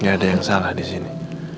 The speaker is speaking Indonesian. nggak ada yang salah disini